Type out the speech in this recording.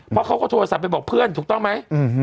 เพราะเขาก็โทรศัพท์ไปบอกเพื่อนถูกต้องไหม